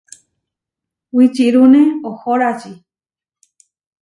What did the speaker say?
Wičirúne ohórači.